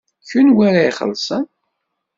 D kenwi ara ixellṣen?